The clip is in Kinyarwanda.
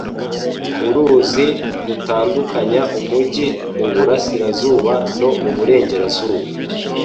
Uruzi rutandukanya umujyi muburasirazuba no muburengerazuba.